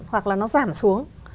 hoặc là nó giảm xuống